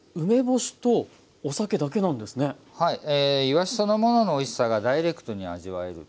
いわしそのもののおいしさがダイレクトに味わえる。